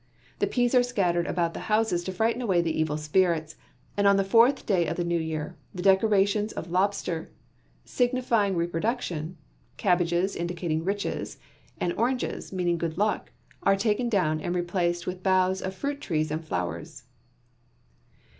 The peas are scattered about the houses to frighten away the evil spirits, and on the fourth day of the New Year, the decorations of lobster, signifying reproduction, cabbages indicating riches, and oranges, meaning good luck, are taken down and replaced with boughs of fruit trees and flowers.